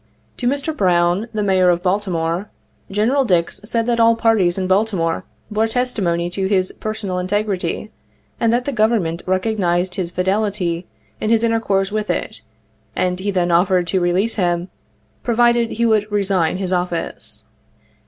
To Mr. Brown, the Mayor of Baltimore, Gen. Dix said that all parties in Baltimore bore testimony to his personal integrity and that the Government recognized his fidelity in his intercourse with it, and he then offered to release him, provided he would resign his office.